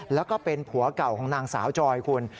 แล้วก็เป็นผัวเก่าของนางสาวจอยคุณ